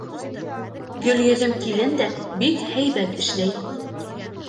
Гөлйөҙөм килен дә бик һәйбәт эшләй.